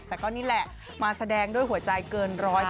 แต่ก็นี่แหละมาแสดงด้วยหัวใจเกิน๑๐